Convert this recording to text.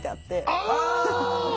ああ！